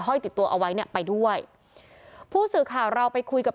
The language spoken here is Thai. ติดตัวเอาไว้เนี่ยไปด้วยผู้สื่อข่าวเราไปคุยกับ